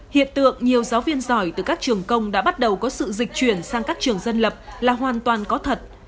hiện tượng nhiều giáo viên giỏi từ các trường công đã bắt đầu có sự dịch chuyển sang các trường dân lập là hoàn toàn có thật